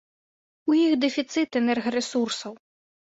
У іх дэфіцыт энергарэсурсаў.